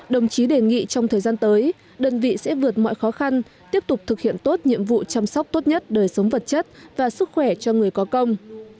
đồng chí đề nghị trong thời gian tới đơn vị sẽ vượt mọi khó khăn tiếp tục thực hiện tốt nhiệm vụ chăm sóc tốt nhất đời sống vật chất và sức khỏe cho người có công